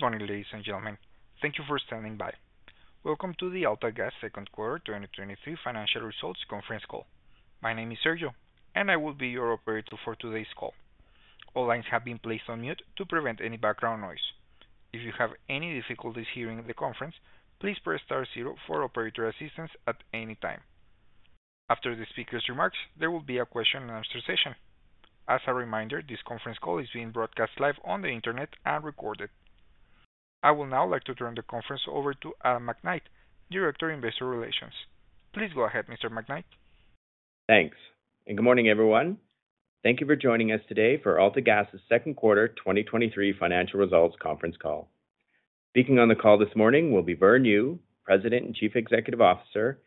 Good morning, ladies and gentlemen. Thank you for standing by. Welcome to the AltaGas Second Quarter 2023 Financial Results Conference Call. My name is Sergio, and I will be your operator for today's call. All lines have been placed on mute to prevent any background noise. If you have any difficulties hearing the conference, please press star zero for operator assistance at any time. After the speaker's remarks, there will be a question and answer session. As a reminder, this conference call is being broadcast live on the internet and recorded. I would now like to turn the conference over to Adam McKnight, Director, Investor Relations. Please go ahead, Mr. McKnight. Thanks, good morning, everyone. Thank you for joining us today for AltaGas's Second Quarter 2023 Financial Results conference call. Speaking on the call this morning will be Vern Yu, President and Chief Executive Officer,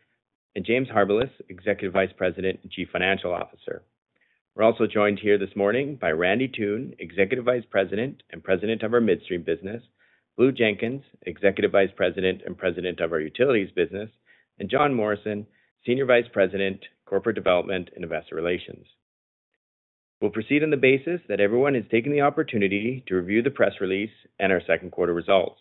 and James Harbilas, Executive Vice President and Chief Financial Officer. We're also joined here this morning by Randy Toone, Executive Vice President and President of our Midstream business, Donald Jenkins, Executive Vice President and President of our Utilities business, and Jon Morrison, Senior Vice President, Corporate Development and Investor Relations. We'll proceed on the basis that everyone has taken the opportunity to review the press release and our second quarter results.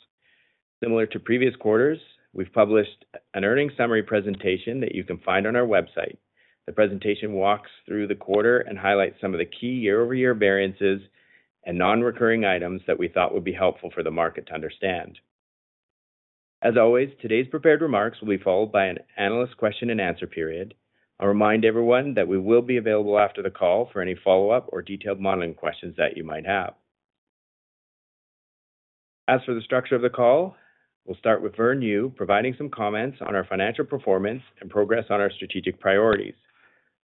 Similar to previous quarters, we've published an earnings summary presentation that you can find on our website. The presentation walks through the quarter and highlights some of the key year-over-year variances and non-recurring items that we thought would be helpful for the market to understand. As always, today's prepared remarks will be followed by an analyst question and answer period. I'll remind everyone that we will be available after the call for any follow-up or detailed modeling questions that you might have. As for the structure of the call, we'll start with Vern Yu providing some comments on our financial performance and progress on our strategic priorities,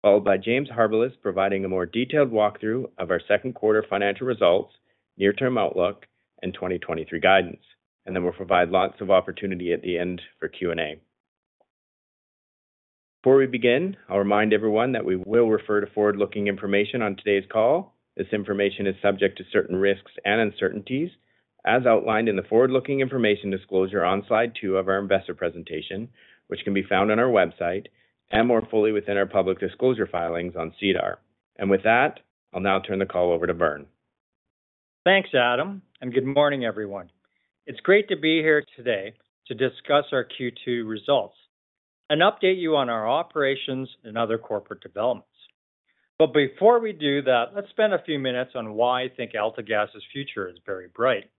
followed by James Harbilas providing a more detailed walkthrough of our second quarter financial results, near-term outlook, and 2023 guidance, and then we'll provide lots of opportunity at the end for Q&A. Before we begin, I'll remind everyone that we will refer to forward-looking information on today's call. This information is subject to certain risks and uncertainties, as outlined in the forward-looking information disclosure on slide two of our investor presentation, which can be found on our website and more fully within our public disclosure filings on SEDAR. With that, I'll now turn the call over to Vern. Thanks, Adam, and good morning, everyone. It's great to be here today to discuss our Q2 results and update you on our operations and other corporate developments. Before we do that, let's spend a few minutes on why I think AltaGas's future is very bright.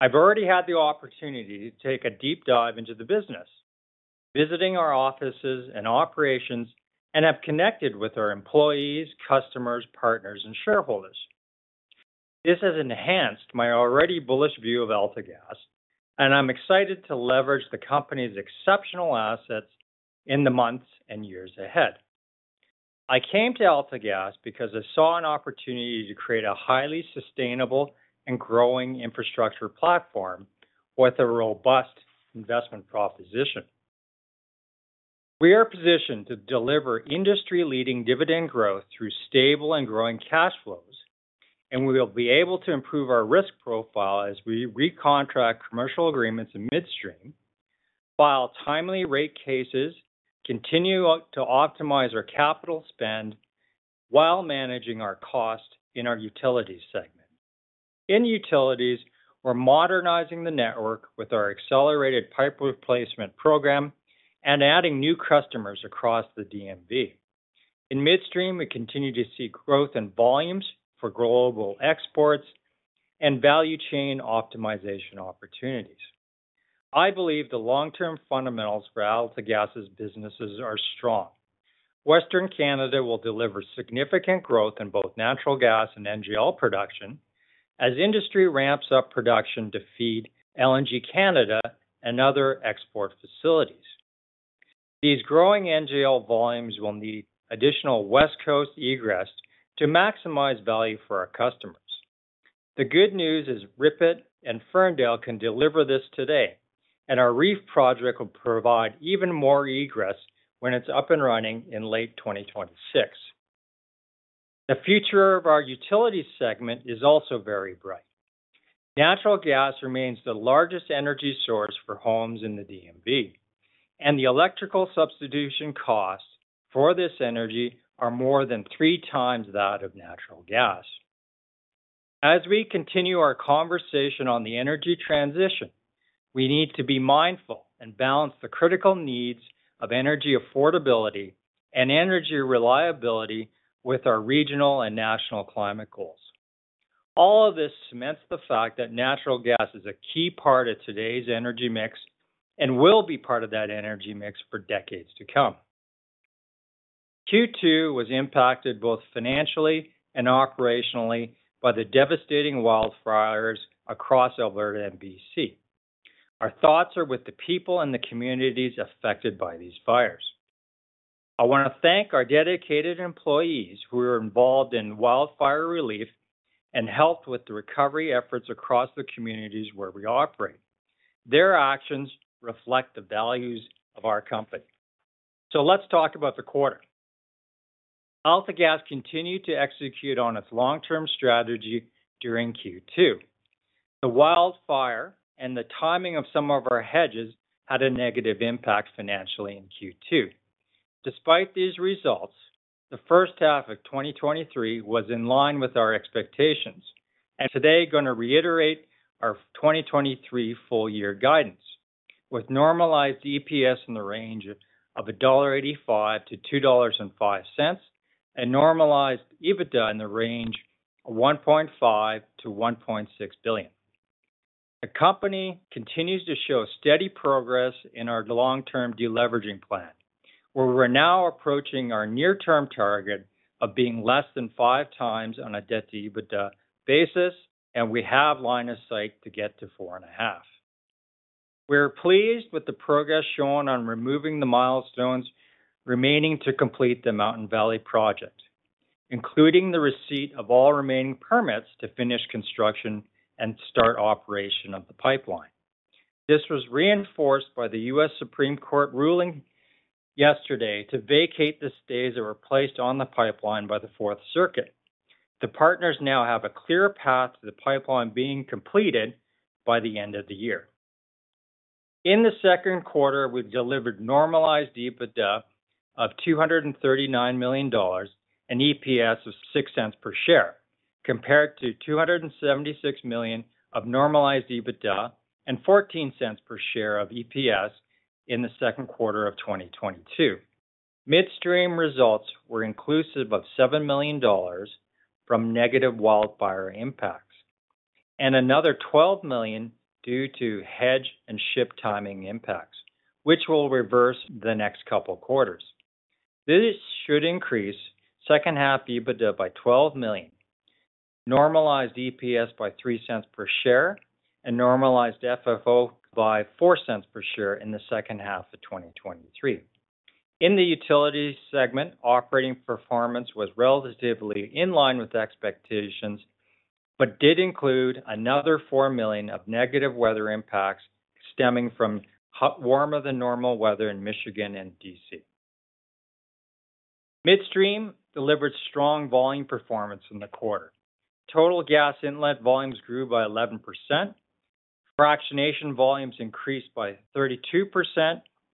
I've already had the opportunity to take a deep dive into the business, visiting our offices and operations, and have connected with our employees, customers, partners, and shareholders. This has enhanced my already bullish view of AltaGas, and I'm excited to leverage the company's exceptional assets in the months and years ahead. I came to AltaGas because I saw an opportunity to create a highly sustainable and growing infrastructure platform with a robust investment proposition. We are positioned to deliver industry-leading dividend growth through stable and growing cash flows. We will be able to improve our risk profile as we recontract commercial agreements in midstream, file timely rate cases, continue to optimize our capital spend while managing our cost in our utilities segment. In utilities, we're modernizing the network with our accelerated pipe replacement program and adding new customers across the DMV. In midstream, we continue to see growth in volumes for global exports and value chain optimization opportunities. I believe the long-term fundamentals for AltaGas's businesses are strong. Western Canada will deliver significant growth in both natural gas and NGL production as industry ramps up production to feed LNG Canada and other export facilities. These growing NGL volumes will need additional West Coast egress to maximize value for our customers. The good news is Ripon and Ferndale can deliver this today, and our REEF project will provide even more egress when it's up and running in late 2026. The future of our utilities segment is also very bright. Natural gas remains the largest energy source for homes in the DMV, and the electrical substitution costs for this energy are more than 3x that of natural gas. As we continue our conversation on the energy transition, we need to be mindful and balance the critical needs of energy affordability and energy reliability with our regional and national climate goals. All of this cements the fact that natural gas is a key part of today's energy mix and will be part of that energy mix for decades to come. Q2 was impacted both financially and operationally by the devastating wildfires across Alberta and BC. Our thoughts are with the people and the communities affected by these fires. I want to thank our dedicated employees who were involved in wildfire relief and helped with the recovery efforts across the communities where we operate. Their actions reflect the values of our company. Let's talk about the quarter. AltaGas continued to execute on its long-term strategy during Q2. The wildfire and the timing of some of our hedges had a negative impact financially in Q2. Despite these results, the first half of 2023 was in line with our expectations, today, going to reiterate our 2023 full year guidance, with normalized EPS in the range of $1.85-$2.05, and normalized EBITDA in the range of $1.5 billion-$1.6 billion. The company continues to show steady progress in our long-term deleveraging plan, where we're now approaching our near-term target of being less than 5 times on a debt-to-EBITDA basis, and we have line of sight to get to 4.5. We're pleased with the progress shown on removing the milestones remaining to complete the Mountain Valley project, including the receipt of all remaining permits to finish construction and start operation of the pipeline. This was reinforced by the U.S. Supreme Court ruling yesterday to vacate the stays that were placed on the pipeline by the Fourth Circuit. The partners now have a clear path to the pipeline being completed by the end of the year. In the second quarter, we've delivered normalized EBITDA of $239 million, and EPS of $0.06 per share, compared to $276 million of normalized EBITDA and $0.14 per share of EPS in the second quarter of 2022. Midstream results were inclusive of $7 million from negative wildfire impacts, and another $12 million due to hedge and ship timing impacts, which will reverse the next couple quarters. This should increase second half EBITDA by $12 million, normalized EPS by $0.03 per share, and normalized FFO by $0.04 per share in the second half of 2023. In the utilities segment, operating performance was relatively in line with expectations, but did include another $4 million of negative weather impacts stemming from hot, warmer-than-normal weather in Michigan and D.C. Midstream delivered strong volume performance in the quarter. Total gas inlet volumes grew by 11%, fractionation volumes increased by 32%,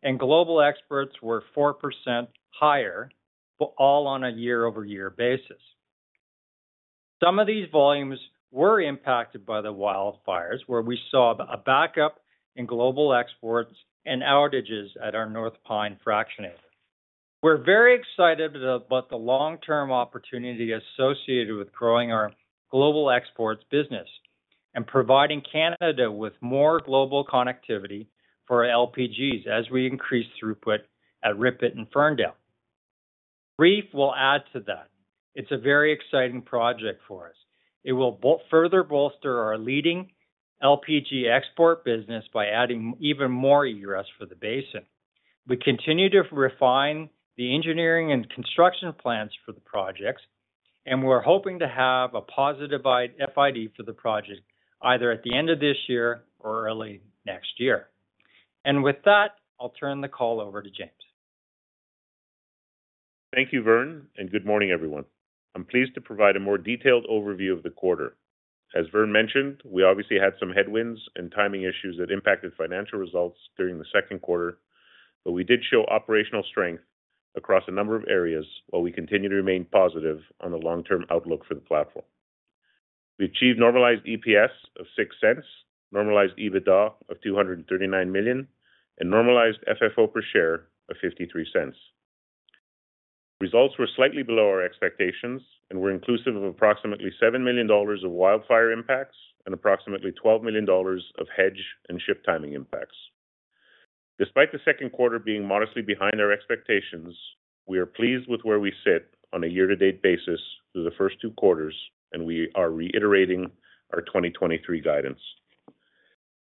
and global exports were 4% higher, all on a year-over-year basis. Some of these volumes were impacted by the wildfires, where we saw a backup in global exports and outages at our North Pine fractionator. We're very excited about the long-term opportunity associated with growing our global exports business and providing Canada with more global connectivity for LPGs as we increase throughput at Ripon and Ferndale. REEF will add to that. It's a very exciting project for us. It will further bolster our leading LPG export business by adding even more U.S. for the basin. We continue to refine the engineering and construction plans for the projects. We're hoping to have a positive FID for the project, either at the end of this year or early next year. With that, I'll turn the call over to James. Thank you, Vern. Good morning, everyone. I'm pleased to provide a more detailed overview of the quarter. As Vern mentioned, we obviously had some headwinds and timing issues that impacted financial results during the second quarter. We did show operational strength across a number of areas, while we continue to remain positive on the long-term outlook for the platform. We achieved normalized EPS of 0.06, normalized EBITDA of 239 million, and normalized FFO per share of 0.53. Results were slightly below our expectations and were inclusive of approximately 7 million dollars of wildfire impacts and approximately 12 million dollars of hedge and ship timing impacts. Despite the second quarter being modestly behind our expectations, we are pleased with where we sit on a year-to-date basis through the first two quarters. We are reiterating our 2023 guidance.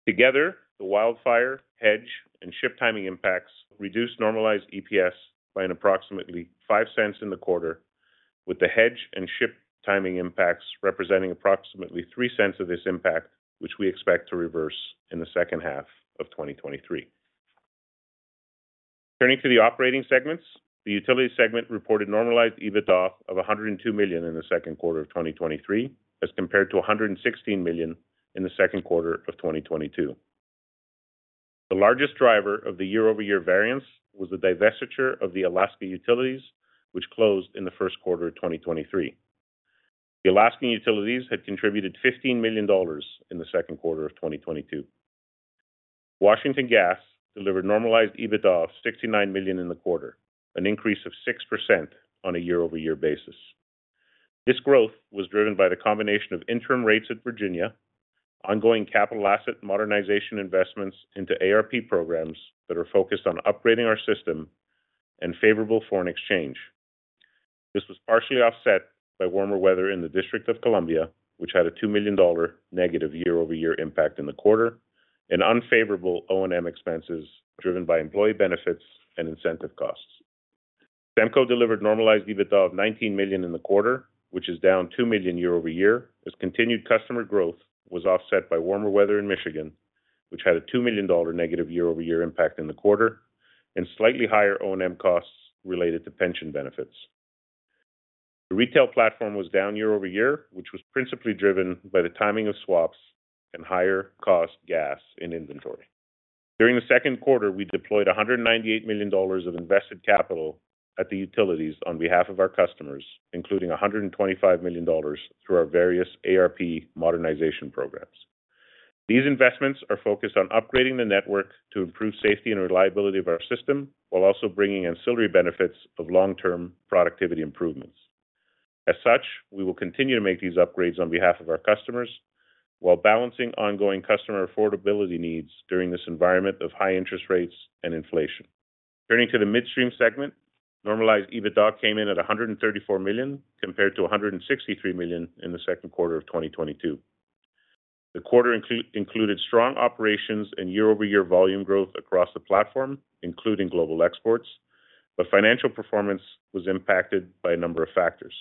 Together, the wildfire, hedge, and ship timing impacts reduced normalized EPS by an approximately $0.05 in the quarter, with the hedge and ship timing impacts representing approximately $0.03 of this impact, which we expect to reverse in the second half of 2023. Turning to the operating segments, the utility segment reported normalized EBITDA of $102 million in the second quarter of 2023, as compared to $116 million in the second quarter of 2022. The largest driver of the year-over-year variance was the divestiture of the Alaska Utilities, which closed in the first quarter of 2023. The Alaskan utilities had contributed $15 million in the second quarter of 2022. Washington Gas delivered normalized EBITDA of $69 million in the quarter, an increase of 6% on a year-over-year basis. This growth was driven by the combination of interim rates at Virginia, ongoing capital asset modernization investments into ARP programs that are focused on upgrading our system, and favorable foreign exchange. This was partially offset by warmer weather in the District of Columbia, which had a $2 million negative year-over-year impact in the quarter, and unfavorable O&M expenses driven by employee benefits and incentive costs. SEMCO delivered normalized EBITDA of $19 million in the quarter, which is down $2 million year-over-year, as continued customer growth was offset by warmer weather in Michigan, which had a $2 million negative year-over-year impact in the quarter, and slightly higher O&M costs related to pension benefits. The retail platform was down year-over-year, which was principally driven by the timing of swaps and higher-cost gas in inventory. During the second quarter, we deployed $198 million of invested capital at the utilities on behalf of our customers, including $125 million through our various ARP modernization programs. These investments are focused on upgrading the network to improve safety and reliability of our system, while also bringing ancillary benefits of long-term productivity improvements. As such, we will continue to make these upgrades on behalf of our customers, while balancing ongoing customer affordability needs during this environment of high interest rates and inflation. Turning to the Midstream segment, normalized EBITDA came in at $134 million, compared to $163 million in the second quarter of 2022. The quarter included strong operations and year-over-year volume growth across the platform, including global exports, but financial performance was impacted by a number of factors.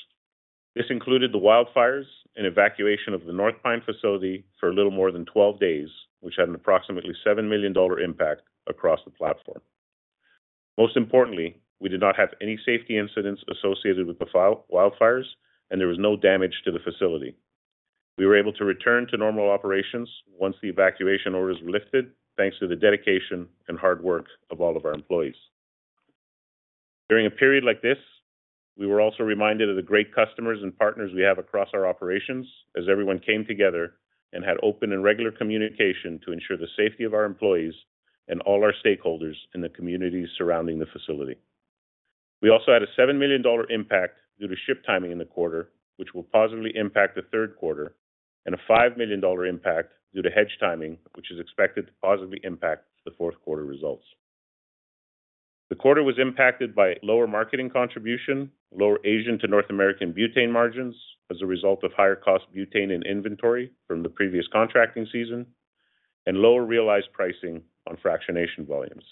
This included the wildfires and evacuation of the North Pine facility for a little more than 12 days, which had an approximately $7 million impact across the platform. Most importantly, we did not have any safety incidents associated with the wildfires, and there was no damage to the facility. We were able to return to normal operations once the evacuation orders were lifted, thanks to the dedication and hard work of all of our employees. During a period like this, we were also reminded of the great customers and partners we have across our operations, as everyone came together and had open and regular communication to ensure the safety of our employees and all our stakeholders in the communities surrounding the facility. We also had a $7 million impact due to ship timing in the quarter, which will positively impact the third quarter. A $5 million impact due to hedge timing, which is expected to positively impact the fourth quarter results. The quarter was impacted by lower marketing contribution, lower Asian to North American butane margins as a result of higher-cost butane and inventory from the previous contracting season, and lower realized pricing on fractionation volumes.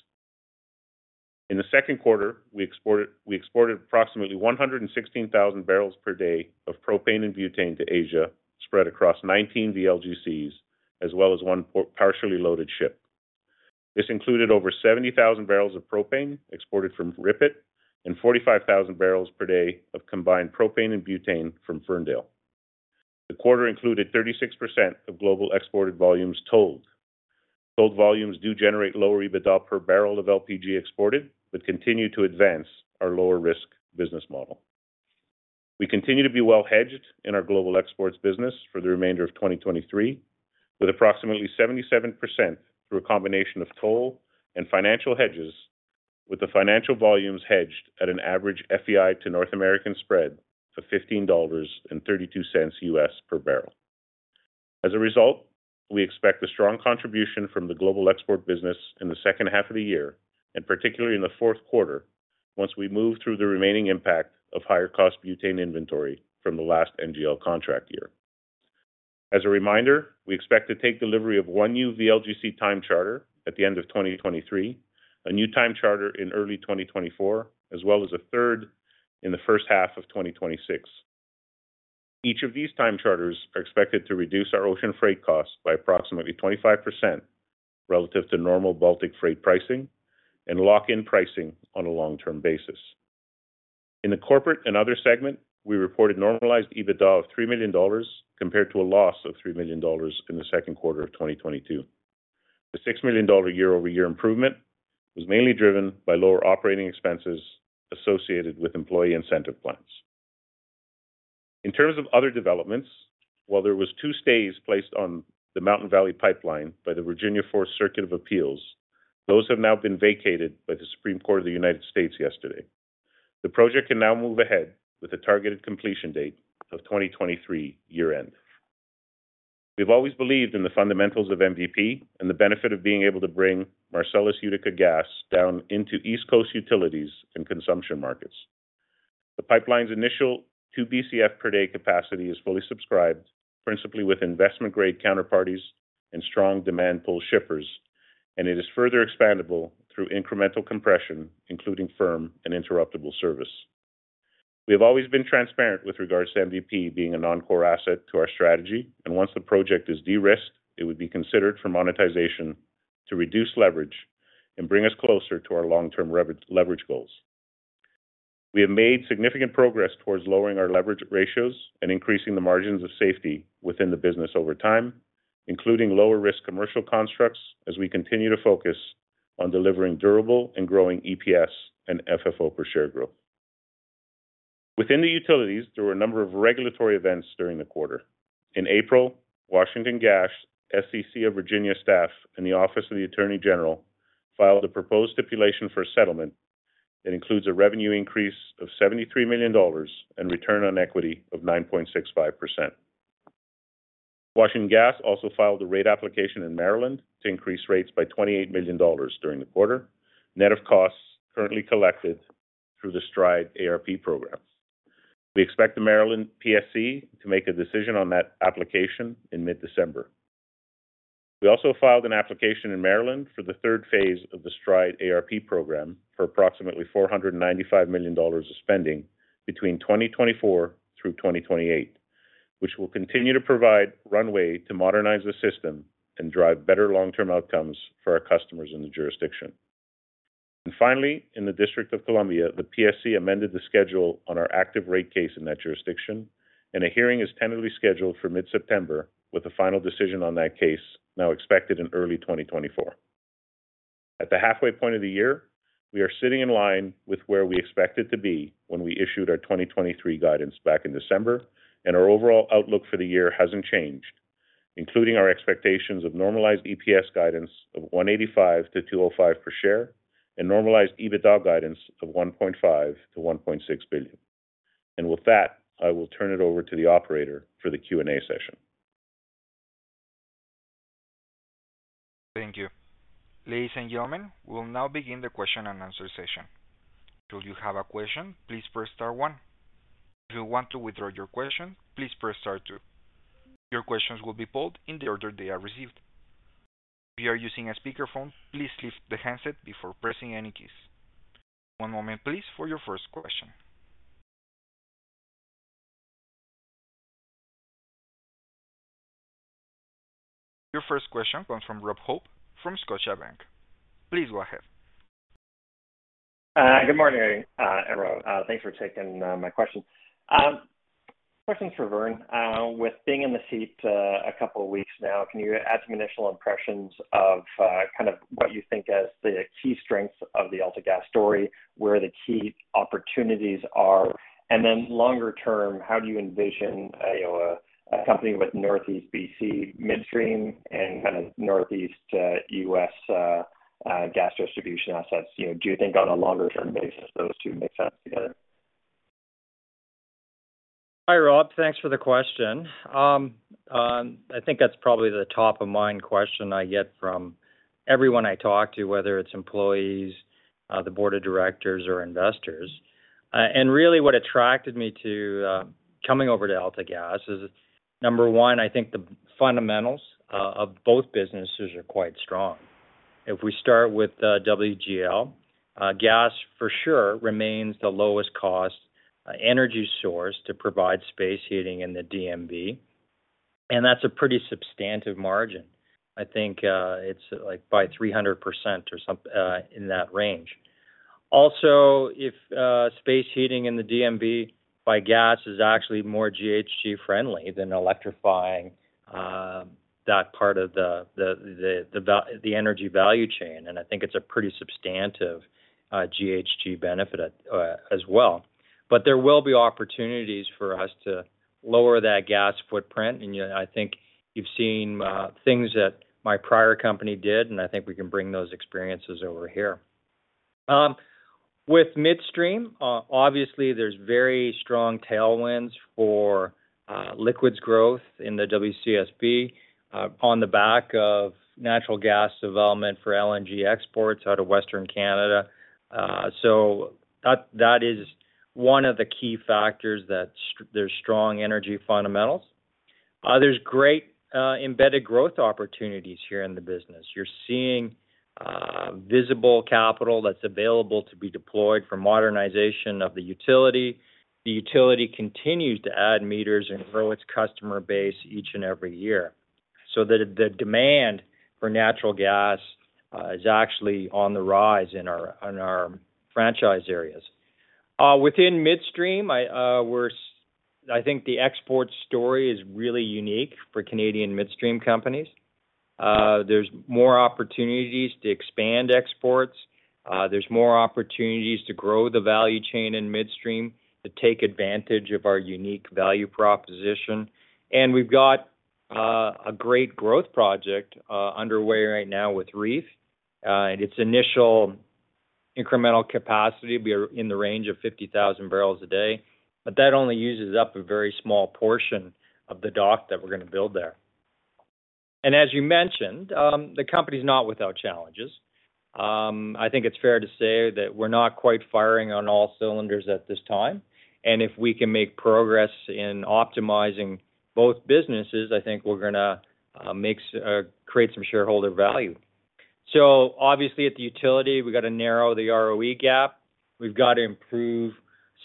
In the second quarter, we exported approximately 116,000 barrels per day of propane and butane to Asia, spread across 19 VLGCs, as well as 1 port partially loaded ship. This included over 70,000 barrels of propane exported from RIPET and 45,000 barrels per day of combined propane and butane from Ferndale. The quarter included 36% of global exported volumes tolled. Tolled volumes do generate lower EBITDA per barrel of LPG exported, continue to advance our lower-risk business model. We continue to be well hedged in our global exports business for the remainder of 2023, with approximately 77% through a combination of toll and financial hedges, with the financial volumes hedged at an average FEI to North American spread of $15.32 US per barrel. As a result, we expect a strong contribution from the global export business in the second half of the year, and particularly in the fourth quarter, once we move through the remaining impact of higher-cost butane inventory from the last NGL contract year. As a reminder, we expect to take delivery of 1 new VLGC time charter at the end of 2023, a new time charter in early 2024, as well as a third in the first half of 2026. Each of these time charters are expected to reduce our ocean freight costs by approximately 25% relative to normal Baltic freight pricing and lock in pricing on a long-term basis. In the corporate and other segment, we reported normalized EBITDA of $3 million, compared to a loss of $3 million in the second quarter of 2022. The $6 million year-over-year improvement was mainly driven by lower operating expenses associated with employee incentive plans. In terms of other developments, while there was 2 stays placed on the Mountain Valley Pipeline by the Virginia Fourth Circuit of Appeals, those have now been vacated by the Supreme Court of the United States yesterday. The project can now move ahead with a targeted completion date of 2023 year-end. We've always believed in the fundamentals of MVP and the benefit of being able to bring Marcellus Utica gas down into East Coast utilities and consumption markets. The pipeline's initial 2 BCF per day capacity is fully subscribed, principally with investment-grade counterparties and strong demand-pull shippers, and it is further expandable through incremental compression, including firm and interruptible service. We have always been transparent with regards to MVP being a non-core asset to our strategy, once the project is de-risked, it would be considered for monetization to reduce leverage and bring us closer to our long-term leverage goals. We have made significant progress towards lowering our leverage ratios and increasing the margins of safety within the business over time, including lower-risk commercial constructs, as we continue to focus on delivering durable and growing EPS and FFO per share growth. Within the utilities, there were a number of regulatory events during the quarter. In April, Washington Gas, SCC of Virginia staff, and the Office of the Attorney General, filed a proposed stipulation for a settlement that includes a revenue increase of $73 million and return on equity of 9.65%. Washington Gas also filed a rate application in Maryland to increase rates by $28 million during the quarter, net of costs currently collected through the STRIDE ARP programs. We expect the Maryland PSC to make a decision on that application in mid-December. We also filed an application in Maryland for the third phase of the STRIDE ARP program for approximately $495 million of spending between 2024 through 2028, which will continue to provide runway to modernize the system and drive better long-term outcomes for our customers in the jurisdiction. Finally, in the District of Columbia, the PSC amended the schedule on our active rate case in that jurisdiction, and a hearing is tentatively scheduled for mid-September, with a final decision on that case now expected in early 2024. At the halfway point of the year, we are sitting in line with where we expected to be when we issued our 2023 guidance back in December, and our overall outlook for the year hasn't changed, including our expectations of normalized EPS guidance of $1.85-$2.05 per share, and normalized EBITDA guidance of $1.5 billion-$1.6 billion. With that, I will turn it over to the operator for the Q&A session. Thank you. Ladies and gentlemen, we'll now begin the question and answer session. If you have a question, please press star one. If you want to withdraw your question, please press star two. Your questions will be pulled in the order they are received. If you are using a speakerphone, please lift the handset before pressing any keys. One moment, please, for your first question. Your first question comes from Rob Hope, from Scotiabank. Please go ahead. Good morning, everyone. Thanks for taking my question. Question for Vern. With being in the seat, a couple of weeks now, can you add some initial impressions of, kind of what you think as the key strengths of the AltaGas story, where the key opportunities are? Then longer term, how do you envision, you know, a company with Northeast BC Midstream and kind of Northeast, U.S., gas distribution assets, you know, do you think on a longer-term basis, those two make sense together? Hi, Rob. Thanks for the question. I think that's probably the top-of-mind question I get from everyone I talk to, whether it's employees, the board of directors, or investors. Really, what attracted me to coming over to AltaGas is, number 1, I think the fundamentals of both businesses are quite strong. If we start with WGL, gas, for sure, remains the lowest cost energy source to provide space heating in the DMV, that's a pretty substantive margin. I think it's like by 300% or in that range. Also, if space heating in the DMV by gas is actually more GHG friendly than electrifying that part of the energy value chain, I think it's a pretty substantive GHG benefit as well. There will be opportunities for us to lower that gas footprint, and, you know, I think you've seen things that my prior company did, and I think we can bring those experiences over here. With Midstream, obviously, there's very strong tailwinds for liquids growth in the WCSB on the back of natural gas development for LNG exports out of Western Canada. That, that is one of the key factors, there's strong energy fundamentals. There's great embedded growth opportunities here in the business. You're seeing visible capital that's available to be deployed for modernization of the utility. The utility continues to add meters and grow its customer base each and every year. The, the demand for natural gas is actually on the rise in our, in our franchise areas. Within Midstream, I think the export story is really unique for Canadian Midstream companies. There's more opportunities to expand exports, there's more opportunities to grow the value chain in Midstream, to take advantage of our unique value proposition. We've got a great growth project underway right now with REEF. Its initial incremental capacity will be in the range of 50,000 barrels a day, but that only uses up a very small portion of the dock that we're gonna build there. As you mentioned, the company is not without challenges. I think it's fair to say that we're not quite firing on all cylinders at this time, and if we can make progress in optimizing both businesses, I think we're gonna create some shareholder value. Obviously, at the utility, we've got to narrow the ROE gap. We've got to improve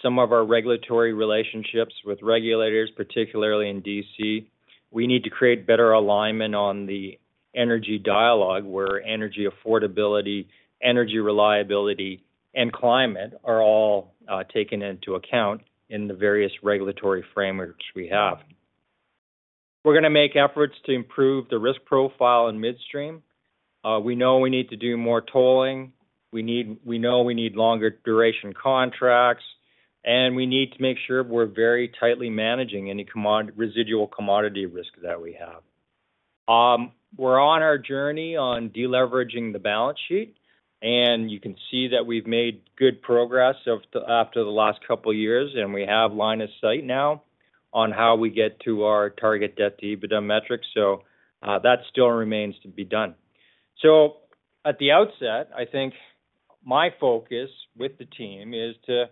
some of our regulatory relationships with regulators, particularly in D.C. We need to create better alignment on the energy dialogue, where energy affordability, energy reliability, and climate are all taken into account in the various regulatory frameworks we have. We're gonna make efforts to improve the risk profile in Midstream. We know we need to do more tolling, we know we need longer duration contracts, and we need to make sure we're very tightly managing any residual commodity risk that we have. We're on our journey on deleveraging the balance sheet, and you can see that we've made good progress after the last couple of years, and we have line of sight now on how we get to our target debt-to-EBITDA metrics. That still remains to be done. At the outset, I think my focus with the team is to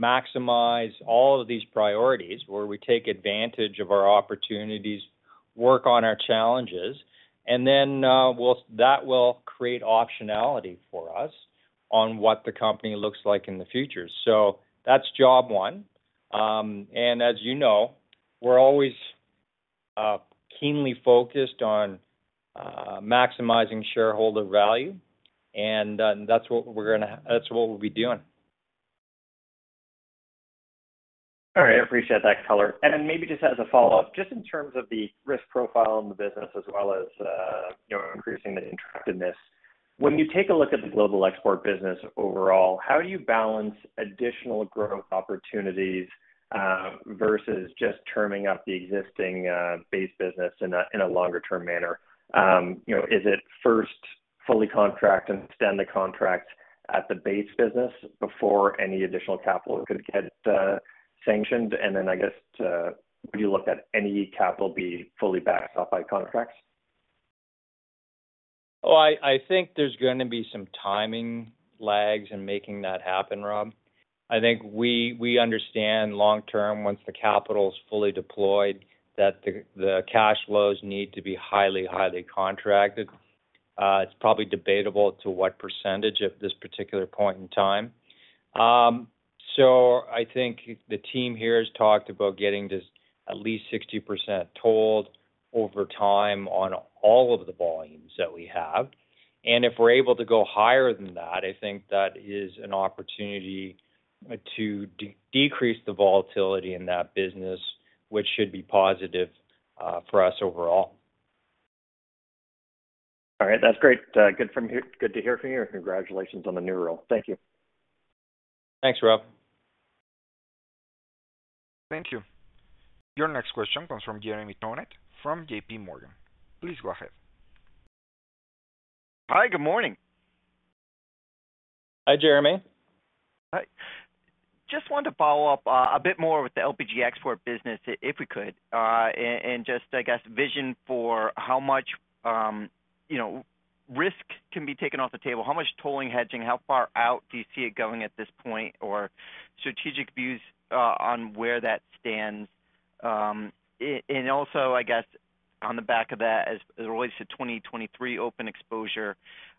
maximize all of these priorities, where we take advantage of our opportunities, work on our challenges, and then, that will create optionality for us on what the company looks like in the future. That's job one. As you know, we're always keenly focused on maximizing shareholder value, and that's what we'll be doing. All right, I appreciate that color. Maybe just as a follow-up, just in terms of the risk profile in the business as well as, you know, increasing the interactiveness. When you take a look at the global export business overall, how do you balance additional growth opportunities, versus just terming up the existing, base business in a, in a longer-term manner? You know, is it first fully contract and extend the contract at the base business before any additional capital could get, sanctioned? I guess, would you look at any capital be fully backed up by contracts? Well, I, I think there's gonna be some timing lags in making that happen, Rob. I think we, we understand long term, once the capital is fully deployed, that the, the cash flows need to be highly, highly contracted. It's probably debatable to what percentage at this particular point in time. I think the team here has talked about getting this at least 60% tolled over time on all of the volumes that we have. If we're able to go higher than that, I think that is an opportunity to de-decrease the volatility in that business, which should be positive for us overall. All right. That's great. Good to hear from you, and congratulations on the new role. Thank you. Thanks, Rob. Thank you. Your next question comes from Jeremy Tonet, from JP Morgan. Please go ahead. Hi, good morning. Hi, Jeremy. Hi. Just wanted to follow up a bit more with the LPG export business, if we could. Just, I guess, vision for how much, you know, risk can be taken off the table, how much tolling hedging, how far out do you see it going at this point, or strategic views on where that stands? Also, I guess, on the back of that, as, as it relates to 2023 open exposure,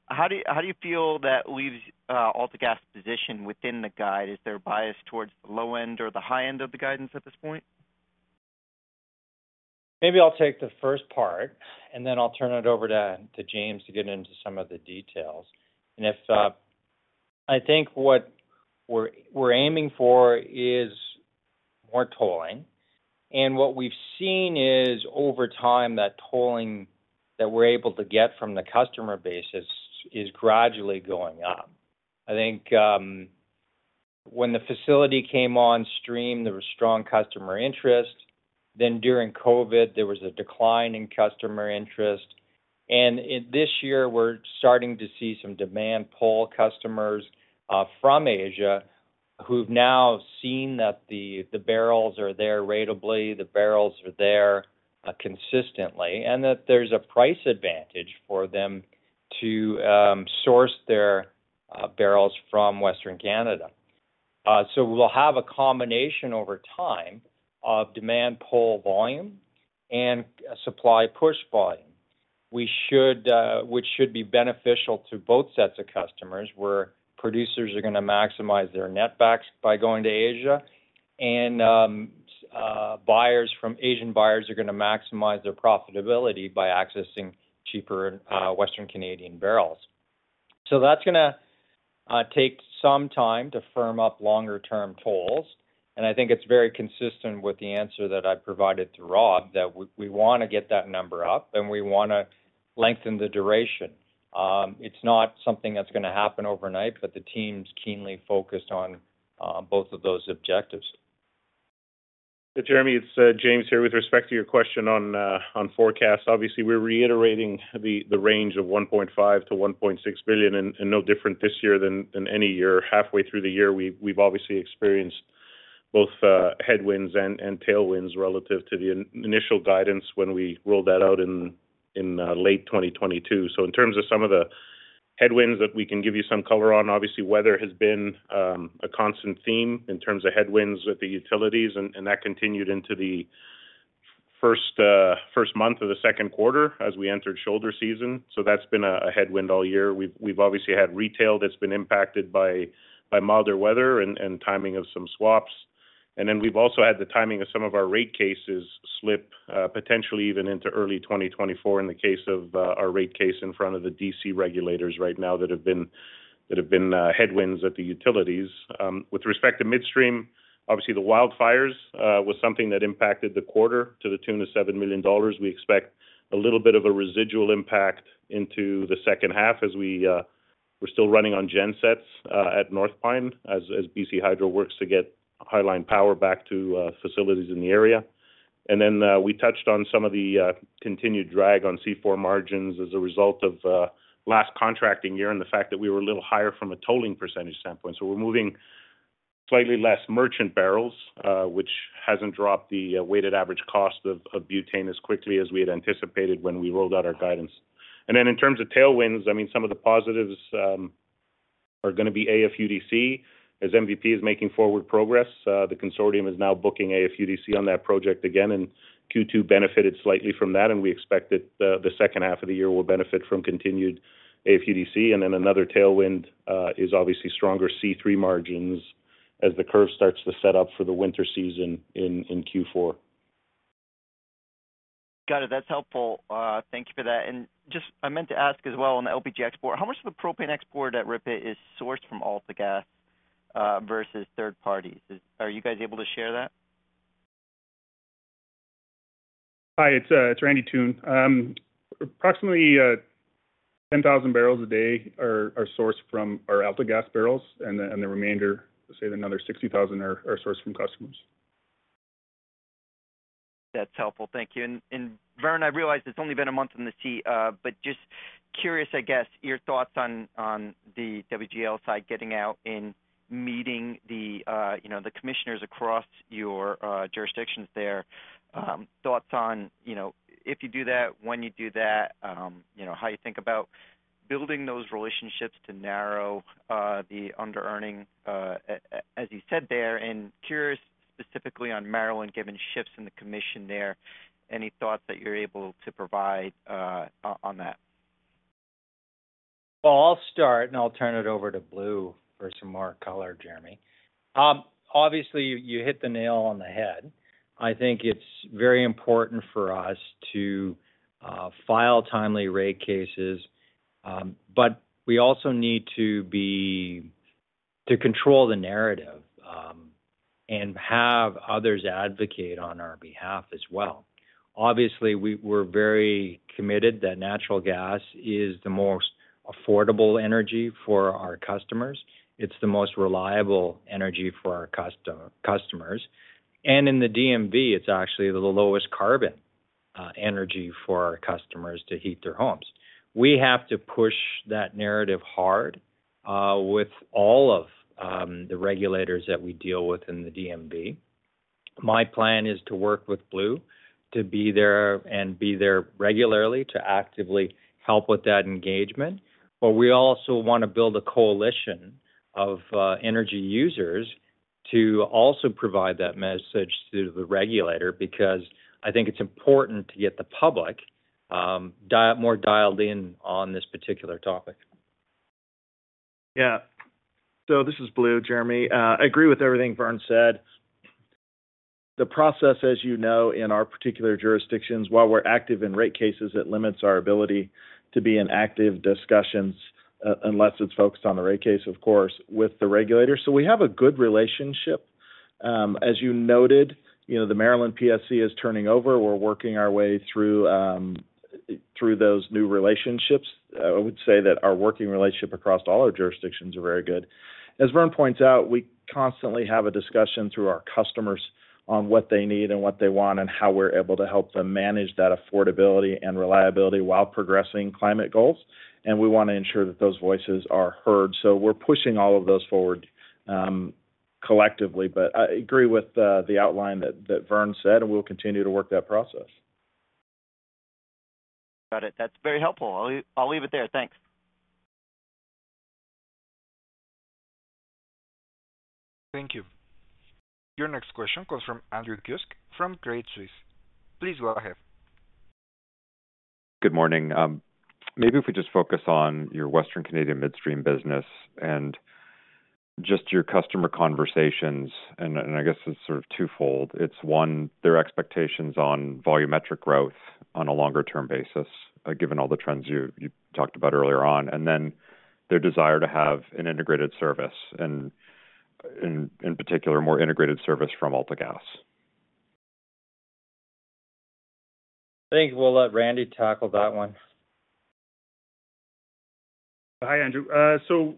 how do you feel that leaves AltaGas position within the guide? Is there a bias towards the low end or the high end of the guidance at this point? Maybe I'll take the first part, then I'll turn it over to James to get into some of the details. If, I think what we're aiming for is more tolling. What we've seen is, over time, that tolling that we're able to get from the customer base is, is gradually going up. I think, when the facility came on stream, there was strong customer interest. During COVID, there was a decline in customer interest, this year, we're starting to see some demand pull customers from Asia who've now seen that the barrels are there ratably, the barrels are there consistently, and that there's a price advantage for them to source their barrels from Western Canada. We'll have a combination over time of demand pull volume and a supply push volume. We should... Which should be beneficial to both sets of customers, where producers are gonna maximize their net backs by going to Asia, and buyers from Asian buyers are gonna maximize their profitability by accessing cheaper Western Canadian barrels. That's gonna take some time to firm up longer-term tolls, and I think it's very consistent with the answer that I provided to Rob, that we, we wanna get that number up, and we wanna lengthen the duration. It's not something that's gonna happen overnight, but the team's keenly focused on both of those objectives. Jeremy, it's James here. With respect to your question on forecast, obviously, we're reiterating the range of 1.5 billion-1.6 billion, and no different this year than any year. Halfway through the year, we've obviously experienced both headwinds and tailwinds relative to the initial guidance when we rolled that out in late 2022. In terms of some of the headwinds that we can give you some color on, obviously, weather has been a constant theme in terms of headwinds with the utilities, and that continued into the first month of the second quarter as we entered shoulder season. That's been a headwind all year. We've obviously had retail that's been impacted by milder weather and timing of some swaps. We've also had the timing of some of our rate cases slip, potentially even into early 2024, in the case of our rate case in front of the D.C. regulators right now, that have been, that have been, headwinds at the utilities. With respect to midstream, obviously, the wildfires was something that impacted the quarter to the tune of 7 million dollars. We expect a little bit of a residual impact into the second half as we, we're still running on gen-sets at North Pine, as BC Hydro works to get high-line power back to facilities in the area. We touched on some of the continued drag on C4 margins as a result of last contracting year and the fact that we were a little higher from a tolling % standpoint. We're moving slightly less merchant barrels, which hasn't dropped the weighted average cost of, of butane as quickly as we had anticipated when we rolled out our guidance. In terms of tailwinds, I mean, some of the positives are gonna be AFUDC. As MVP is making forward progress, the consortium is now booking AFUDC on that project again, and Q2 benefited slightly from that, and we expect that the second half of the year will benefit from continued AFUDC. Another tailwind is obviously stronger C3 margins.... as the curve starts to set up for the winter season in Q4. Got it. That's helpful. Thank you for that. Just I meant to ask as well on the LPG export, how much of the propane export at RIPET is sourced from AltaGas versus third parties? Are you guys able to share that? Hi, it's Randy Toone. Approximately 10,000 barrels a day are sourced from our AltaGas barrels, and the remainder, let's say another 60,000, are sourced from customers. That's helpful. Thank you. Vern, I realize it's only been a month on the sea, but just curious, I guess, your thoughts on, on the WGL side, getting out and meeting the, you know, the commissioners across your jurisdictions there. Thoughts on, you know, if you do that, when you do that, you know, how you think about building those relationships to narrow the underearning, a-as you said there, and curious specifically on Maryland, given shifts in the commission there, any thoughts that you're able to provide on that? Well, I'll start, and I'll turn it over to Blue for some more color, Jeremy. Obviously, you hit the nail on the head. I think it's very important for us to file timely rate cases, but we also need to control the narrative, and have others advocate on our behalf as well. Obviously, we're very committed that natural gas is the most affordable energy for our customers. It's the most reliable energy for our customers, and in the DMV, it's actually the lowest carbon energy for our customers to heat their homes. We have to push that narrative hard, with all of the regulators that we deal with in the DMV. My plan is to work with Blue, to be there and be there regularly to actively help with that engagement. We also want to build a coalition of energy users to also provide that message to the regulator, because I think it's important to get the public more dialed in on this particular topic. Yeah. This is Blue, Jeremy. I agree with everything Vern said. The process, as you know, in our particular jurisdictions, while we're active in rate cases, it limits our ability to be in active discussions, unless it's focused on the rate case, of course, with the regulators. We have a good relationship. As you noted, you know, the Maryland PSC is turning over. We're working our way through, through those new relationships. I would say that our working relationship across all our jurisdictions are very good. As Vern points out, we constantly have a discussion through our customers on what they need and what they want, and how we're able to help them manage that affordability and reliability while progressing climate goals. We want to ensure that those voices are heard. We're pushing all of those forward, collectively. I agree with the outline that, that Vern said, and we'll continue to work that process. Got it. That's very helpful. I'll, I'll leave it there. Thanks. Thank you. Your next question comes from Andrew Kuske, from Credit Suisse. Please go ahead. Good morning. Maybe if we just focus on your Western Canadian midstream business and just your customer conversations. I guess it's sort of twofold. It's 1, their expectations on volumetric growth on a longer-term basis, given all the trends you talked about earlier on, and then their desire to have an integrated service, and in particular, more integrated service from AltaGas. I think we'll let Randy tackle that one. Hi, Andrew. So,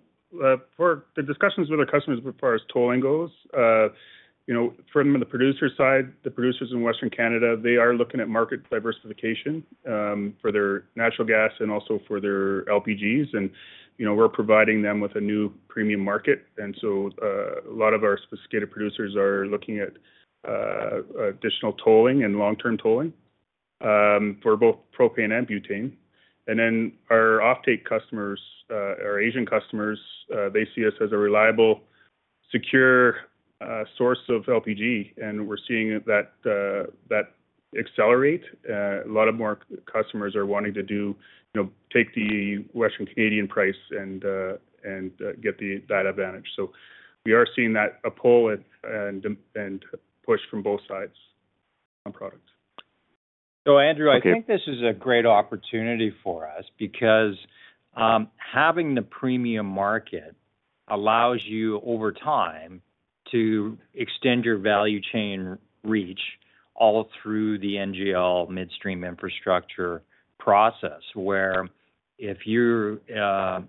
for the discussions with our customers as far as tolling goes, you know, from the producer side, the producers in Western Canada, they are looking at market diversification, for their natural gas and also for their LPGs. You know, we're providing them with a new premium market. A lot of our sophisticated producers are looking at additional tolling and long-term tolling, for both propane and butane. Then our offtake customers, our Asian customers, they see us as a reliable, secure, source of LPG, and we're seeing that, that accelerate. A lot of more customers are wanting to do, you know, take the Western Canadian price and get that advantage. We are seeing that, a pull and push from both sides on products. Andrew, I think this is a great opportunity for us because having the premium market allows you, over time, to extend your value chain reach all through the NGL midstream infrastructure process, where if you're,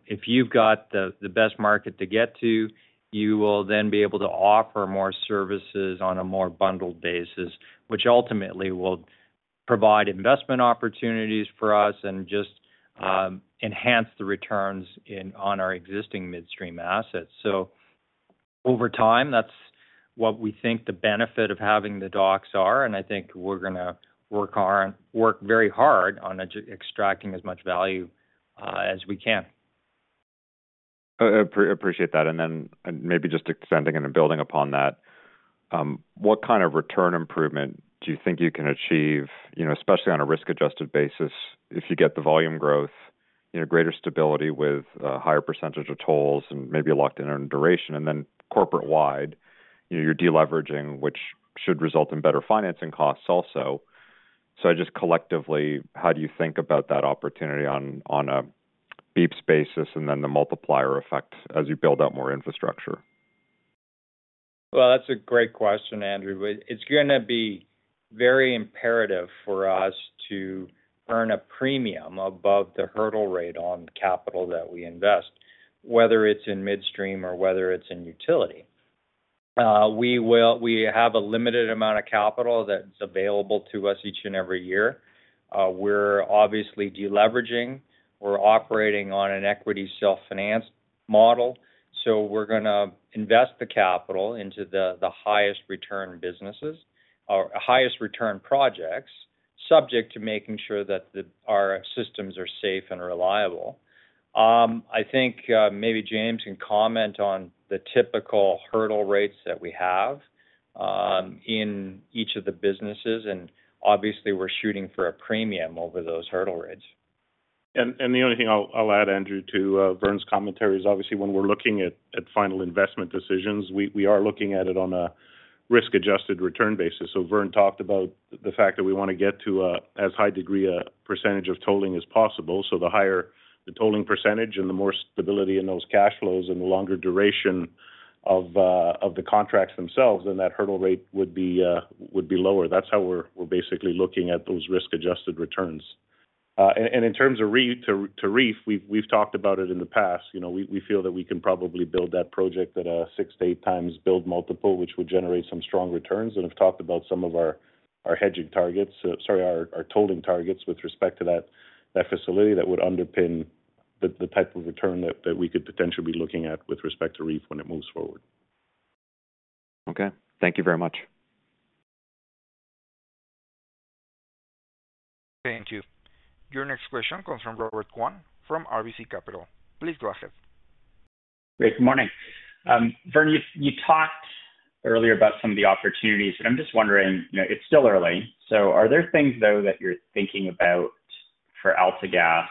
if you've got the, the best market to get to, you will then be able to offer more services on a more bundled basis, which ultimately will provide investment opportunities for us and just enhance the returns on our existing midstream assets. Over time, that's what we think the benefit of having the docks are, and I think we're gonna work very hard on extracting as much value as we can. Appreciate that, and then, and maybe just expanding and then building upon that, what kind of return improvement do you think you can achieve, you know, especially on a risk-adjusted basis, if you get the volume growth, you know, greater stability with a higher percentage of tolls and maybe locked in on duration, and then corporate-wide, you know, you're deleveraging, which should result in better financing costs also, just collectively, how do you think about that opportunity on, on a BEPS basis and then the multiplier effect as you build out more infrastructure? Well, that's a great question, Andrew. Well, it's gonna be very imperative for us to earn a premium above the hurdle rate on the capital that we invest, whether it's in midstream or whether it's in utility. We have a limited amount of capital that's available to us each and every year. We're obviously deleveraging. We're operating on an equity self-finance model, so we're gonna invest the capital into the, the highest return businesses or highest return projects, subject to making sure that the, our systems are safe and reliable. I think, maybe James can comment on the typical hurdle rates that we have, in each of the businesses, and obviously, we're shooting for a premium over those hurdle rates. The only thing I'll add, Andrew, to Vern's commentary is, obviously, when we're looking at final investment decisions, we are looking at it on a risk-adjusted return basis. Vern talked about the fact that we want to get to a, as high degree, a percentage of tolling as possible. The higher the tolling percentage and the more stability in those cash flows and the longer duration of the contracts themselves, then that hurdle rate would be lower. That's how we're basically looking at those risk-adjusted returns. In terms of to REEF, we've talked about it in the past. You know, we feel that we can probably build that project at a 6 to 8 times build multiple, which would generate some strong returns. We've talked about some of our, our hedging targets, sorry, our, our tolling targets with respect to that, that facility that would underpin the, the type of return that, that we could potentially be looking at with respect to REEF when it moves forward. Okay. Thank you very much. Thank you. Your next question comes from Robert Kwan from RBC Capital. Please go ahead. Great, good morning. Vern, you, you talked earlier about some of the opportunities, and I'm just wondering, you know, it's still early, so are there things, though, that you're thinking about for AltaGas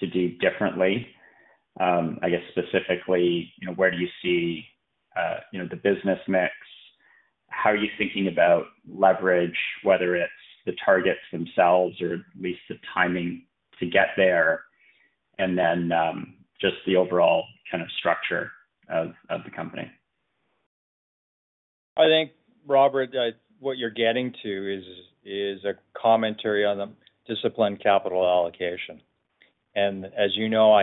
to do differently? I guess specifically, you know, where do you see, you know, the business mix? How are you thinking about leverage, whether it's the targets themselves or at least the timing to get there, and then, just the overall kind of structure of, of the company? I think, Robert, what you're getting to is a commentary on the disciplined capital allocation. As you know,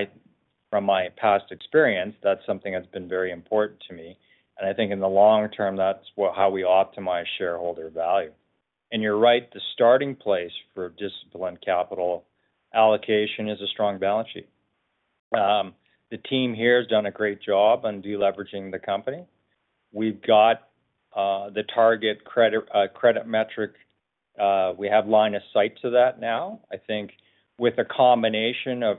from my past experience, that's something that's been very important to me, and I think in the long term, that's how we optimize shareholder value. You're right, the starting place for disciplined capital allocation is a strong balance sheet. The team here has done a great job on deleveraging the company. We've got the target credit, credit metric, we have line of sight to that now. I think with a combination of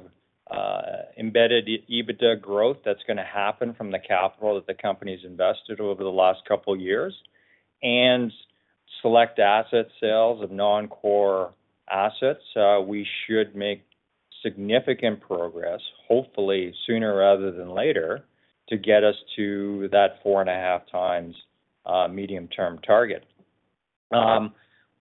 embedded EBITDA growth, that's gonna happen from the capital that the company's invested over the last couple of years, and select asset sales of non-core assets, we should make significant progress, hopefully sooner rather than later, to get us to that 4.5 times medium-term target.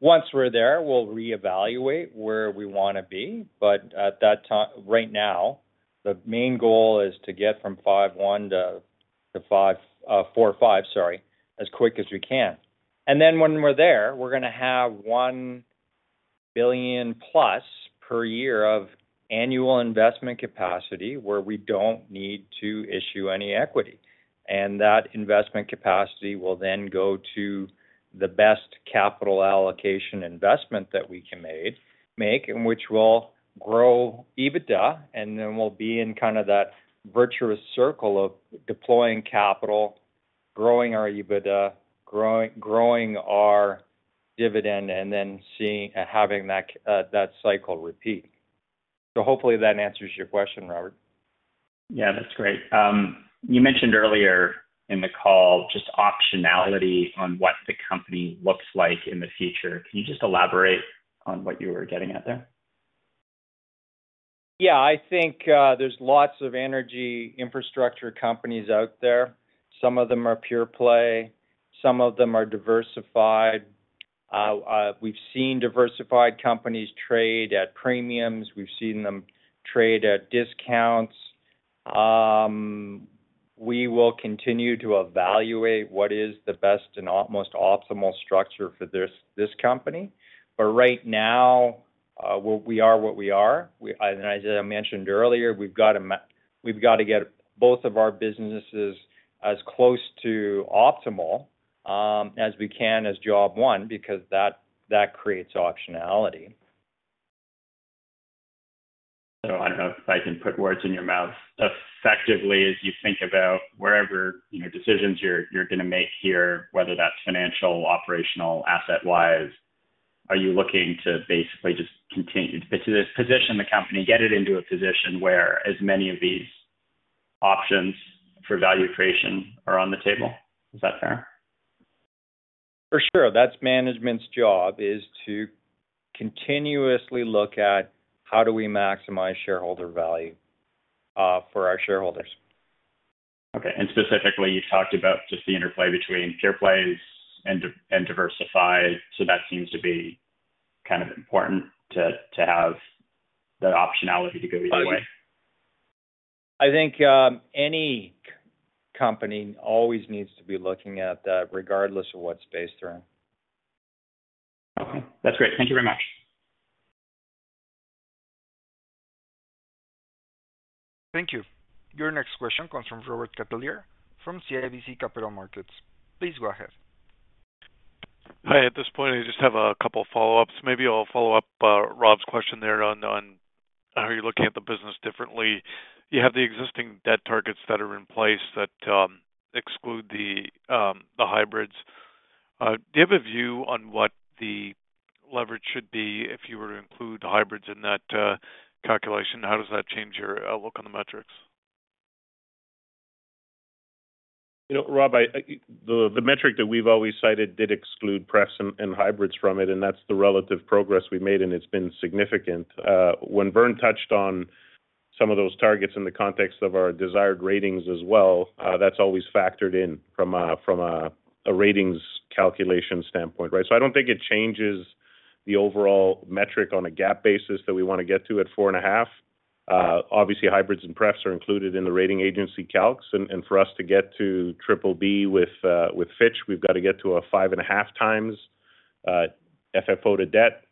Once we're there, we'll reevaluate where we wanna be, but at that time right now, the main goal is to get from 5.1 to, to 5, 4.5, sorry, as quick as we can. Then when we're there, we're gonna have $1 billion plus per year of annual investment capacity, where we don't need to issue any equity. That investment capacity will then go to the best capital allocation investment that we can make, which will grow EBITDA. Then we'll be in kind of that virtuous circle of deploying capital, growing our EBITDA, growing our dividend, and then having that cycle repeat. Hopefully that answers your question, Robert. Yeah, that's great. You mentioned earlier in the call just optionality on what the company looks like in the future. Can you just elaborate on what you were getting at there? Yeah, I think, there's lots of energy infrastructure companies out there. Some of them are pure play, some of them are diversified. We've seen diversified companies trade at premiums, we've seen them trade at discounts. We will continue to evaluate what is the best and most optimal structure for this, this company. Right now, we, we are what we are. As I mentioned earlier, we've got to we've got to get both of our businesses as close to optimal as we can, as job one, because that, that creates optionality. I don't know if I can put words in your mouth. Effectively, as you think about wherever, you know, decisions you're, you're gonna make here, whether that's financial, operational, asset-wise, are you looking to basically just continue to position the company, get it into a position where as many of these options for value creation are on the table? Is that fair? For sure. That's management's job, is to continuously look at how do we maximize shareholder value, for our shareholders. Okay. Specifically, you talked about just the interplay between pure plays and diversify, that seems to be kind of important to have that optionality to go either way. I think, any company always needs to be looking at that, regardless of what space they're in. Okay, that's great. Thank you very much. Thank you. Your next question comes from Robert Catellier from CIBC Capital Markets. Please go ahead. Hi, at this point, I just have 2 follow-ups. Maybe I'll follow up Rob's question there on, on how you're looking at the business differently. You have the existing debt targets that are in place that exclude the hybrids. Do you have a view on what the leverage should be if you were to include the hybrids in that calculation? How does that change your look on the metrics? You know, Rob, the metric that we've always cited did exclude pref and hybrids from it, and that's the relative progress we made, and it's been significant. When Vern touched on some of those targets in the context of our desired ratings as well, that's always factored in from a ratings calculation standpoint, right? I don't think it changes the overall metric on a gap basis that we want to get to at 4.5. Obviously, hybrids and pref are included in the rating agency calcs, and for us to get to BBB with Fitch, we've got to get to a 5.5x FFO to debt.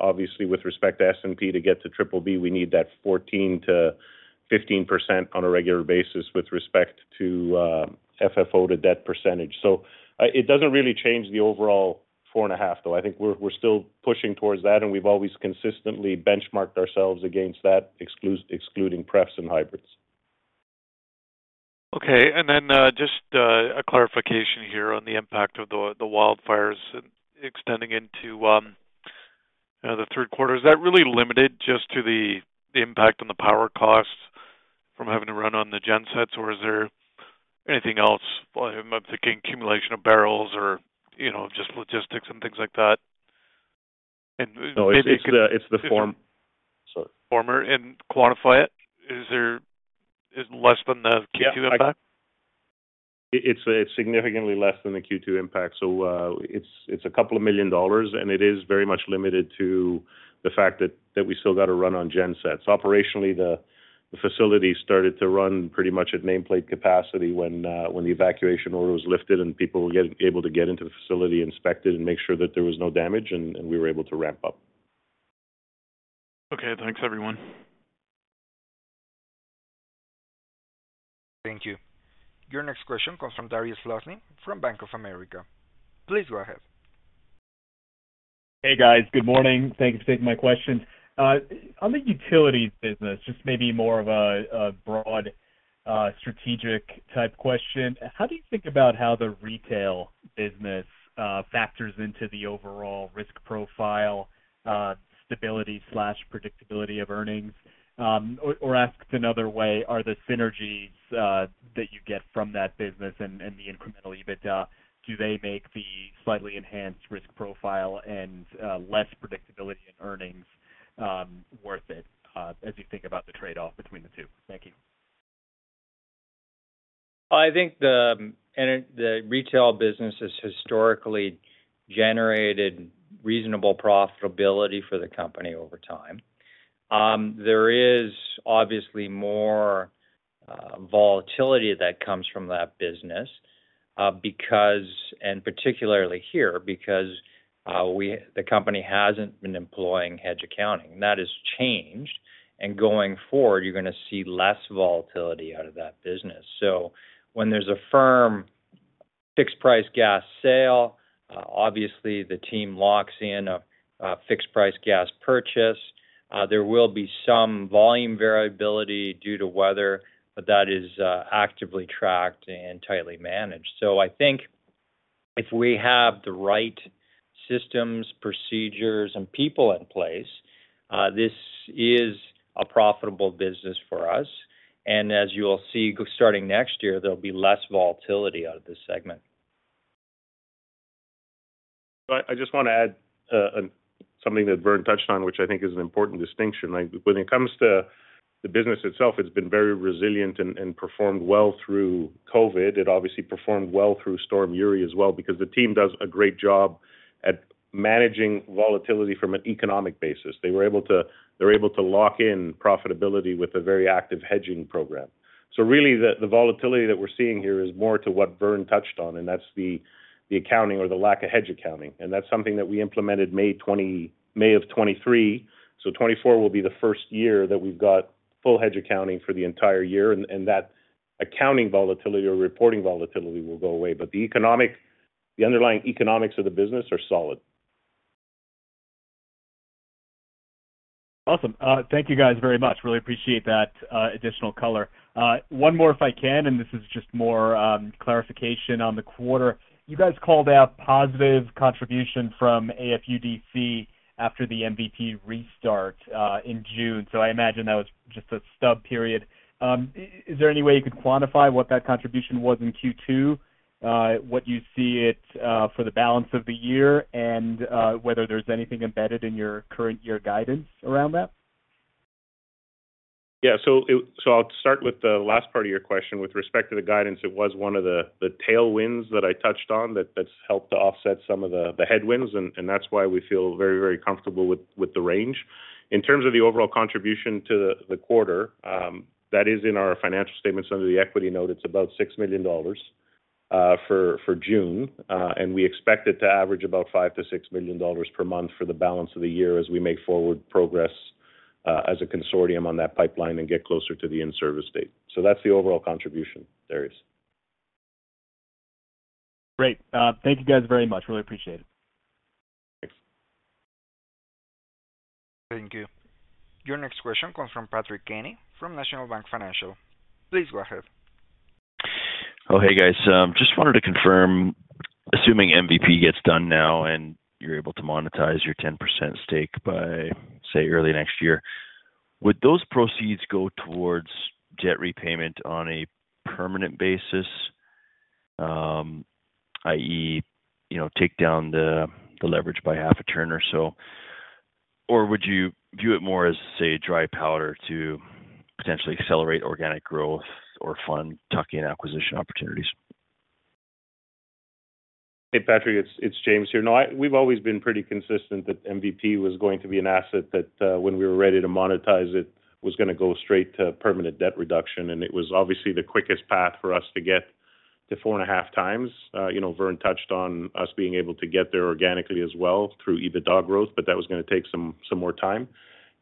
Obviously, with respect to S&P, to get to BBB, we need that 14%-15% on a regular basis with respect to FFO to debt percentage. It doesn't really change the overall 4.5, though. I think we're, we're still pushing towards that, and we've always consistently benchmarked ourselves against that, excluding pref and hybrids. Okay. And then, just, a clarification here on the impact of the wildfires extending into the third quarter. Is that really limited just to the impact on the power costs from having to run on the gen-sets, or is there anything else? I'm thinking accumulation of barrels or, you know, just logistics and things like that. No, it's the form-- Sorry. Former, and quantify it. Is there, is less than the Q2 impact? It's, it's significantly less than the Q2 impact. It's, it's $2 million, and it is very much limited to the fact that, that we still got to run on gen-sets. Operationally, the facility started to run pretty much at nameplate capacity when, when the evacuation order was lifted, and people able to get into the facility, inspect it, and make sure that there was no damage, and, and we were able to ramp up. Okay, thanks, everyone. Thank you. Your next question comes from Dariusz Lozny, from Bank of America. Please go ahead. Hey, guys. Good morning. Thank you for taking my question. On the utilities business, just maybe more of a, a broad, strategic type question, how do you think about how the retail business factors into the overall risk profile, stability/predictability of earnings? Or asked another way, are the synergies that you get from that business and the incremental EBITDA, do they make the slightly enhanced risk profile and less predictability in earnings worth it, as you think about the trade-off between the two? Thank you. I think the ener- the retail business has historically generated reasonable profitability for the company over time. There is obviously more volatility that comes from that business because, and particularly here, because we-- the company hasn't been employing hedge accounting, and that has changed. Going forward, you're gonna see less volatility out of that business. When there's a firm fixed-price gas sale, obviously the team locks in a fixed-price gas purchase. There will be some volume variability due to weather, but that is actively tracked and tightly managed. I think if we have the right systems, procedures, and people in place, this is a profitable business for us. As you'll see, starting next year, there'll be less volatility out of this segment. I, I just want to add something that Vern touched on, which I think is an important distinction. Like, when it comes to the business itself, it's been very resilient and performed well through COVID. It obviously performed well through Winter Storm Uri as well, because the team does a great job at managing volatility from an economic basis. They're able to lock in profitability with a very active hedging program. Really, the volatility that we're seeing here is more to what Vern touched on, and that's the accounting or the lack of hedge accounting, and that's something that we implemented May of 2023. 2024 will be the first year that we've got full hedge accounting for the entire year, and that accounting volatility or reporting volatility will go away. The underlying economics of the business are solid. Awesome. Thank you guys very much. Really appreciate that additional color. One more, if I can, and this is just more clarification on the quarter. You guys called out positive contribution from AFUDC after the MVP restart in June, so I imagine that was just a stub period. Is there any way you could quantify what that contribution was in Q2, what you see it for the balance of the year, and whether there's anything embedded in your current year guidance around that? Yeah. It, so I'll start with the last part of your question. With respect to the guidance, it was one of the, the tailwinds that I touched on, that, that's helped to offset some of the, the headwinds, and, and that's why we feel very, very comfortable with, with the range. In terms of the overall contribution to the, the quarter, that is in our financial statements under the equity note, it's about $6 million for June. We expect it to average about $5 million-$6 million per month for the balance of the year as we make forward progress as a consortium on that pipeline and get closer to the in-service date. That's the overall contribution there is. Great. Thank you, guys, very much. Really appreciate it. Thanks. Thank you. Your next question comes from Patrick Kenny, from National Bank Financial. Please go ahead. Oh, hey, guys. Just wanted to confirm, assuming MVP gets done now, and you're able to monetize your 10% stake by, say, early next year, would those proceeds go towards debt repayment on a permanent basis? I.e., you know, take down the, the leverage by 0.5 turn or so, or would you view it more as, say, dry powder to potentially accelerate organic growth or fund tuck-in acquisition opportunities? Hey, Patrick, it's James here. No, we've always been pretty consistent that MVP was going to be an asset, that, when we were ready to monetize it, was gonna go straight to permanent debt reduction. It was obviously the quickest path for us to get to 4.5 times. You know, Vern touched on us being able to get there organically as well through EBITDA growth, but that was gonna take some more time.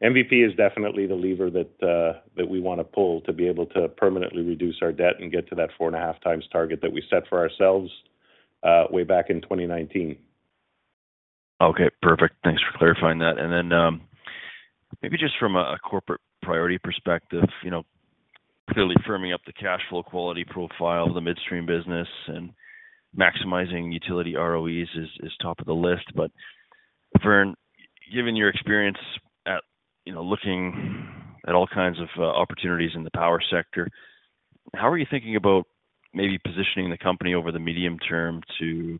MVP is definitely the lever that we wanna pull to be able to permanently reduce our debt and get to that 4.5x target that we set for ourselves, way back in 2019. Okay, perfect. Thanks for clarifying that. Maybe just from a corporate priority perspective, you know, clearly firming up the cash flow quality profile of the midstream business and maximizing utility ROEs is, is top of the list. Vern, given your experience at, you know, looking at all kinds of opportunities in the power sector, how are you thinking about maybe positioning the company over the medium term to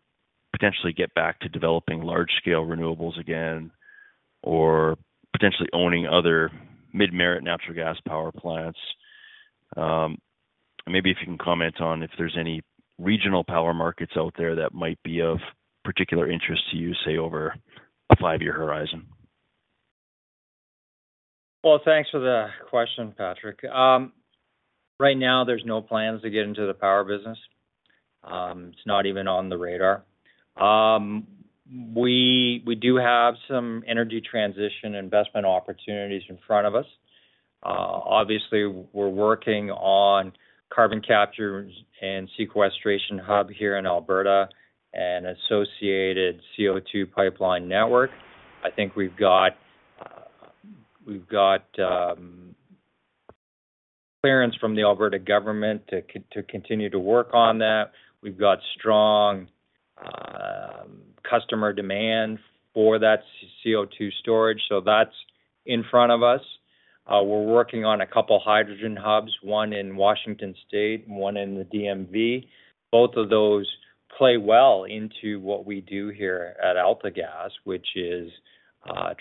potentially get back to developing large-scale renewables again, or potentially owning other mid-merit natural gas power plants? Maybe if you can comment on if there's any regional power markets out there that might be of particular interest to you, say, over a 5-year horizon. Well, thanks for the question, Patrick. Right now, there's no plans to get into the power business. It's not even on the radar. We, we do have some energy transition investment opportunities in front of us. Obviously, we're working on carbon capture and sequestration hub here in Alberta and associated CO2 pipeline network. I think we've got, we've got clearance from the Alberta government to continue to work on that. We've got strong customer demand for that CO2 storage, so that's in front of us. We're working on a couple hydrogen hubs, one in Washington state and one in the DMV. Both of those play well into what we do here at AltaGas, which is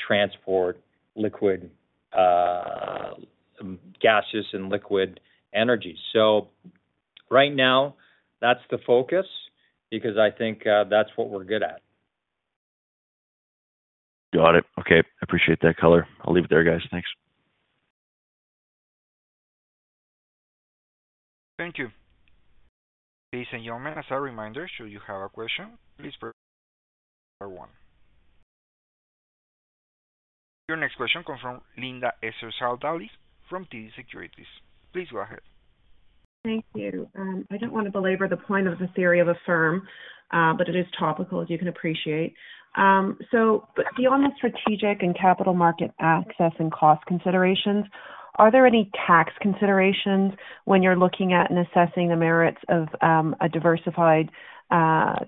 transport liquid, gaseous and liquid energy. Right now, that's the focus because I think that's what we're good at. Got it. Okay, appreciate that color. I'll leave it there, guys. Thanks. Thank you. Ladies and gentlemen, as a reminder, should you have a question, please press star 1. Your next question comes from Linda Ezergailis from TD Securities. Please go ahead. Thank you. I don't want to belabor the point of the theory of a firm, but it is topical, as you can appreciate. Beyond the strategic and capital market access and cost considerations, are there any tax considerations when you're looking at and assessing the merits of a diversified,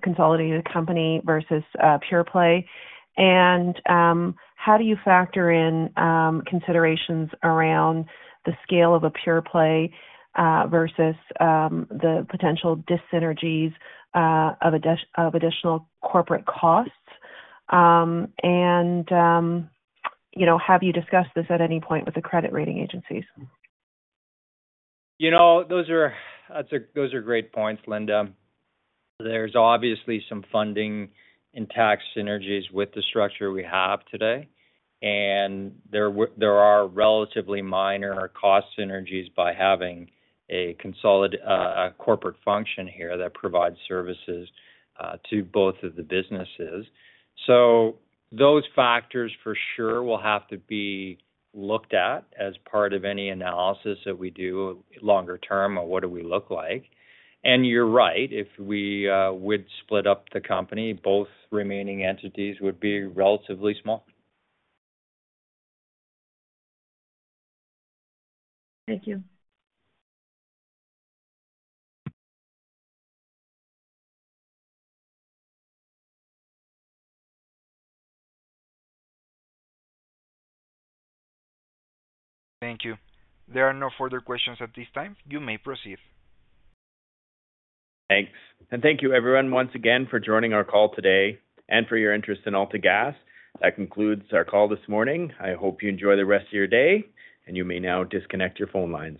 consolidated company versus a pure play? How do you factor in considerations around the scale of a pure play versus the potential dyssynergies of additional corporate costs? You know, have you discussed this at any point with the credit rating agencies? You know, those are great points, Linda. There's obviously some funding and tax synergies with the structure we have today, and there are relatively minor cost synergies by having a corporate function here that provides services to both of the businesses. Those factors for sure will have to be looked at as part of any analysis that we do longer term on what do we look like. You're right, if we would split up the company, both remaining entities would be relatively small. Thank you. Thank you. There are no further questions at this time. You may proceed. Thanks. Thank you, everyone, once again for joining our call today and for your interest in AltaGas. That concludes our call this morning. I hope you enjoy the rest of your day, and you may now disconnect your phone lines.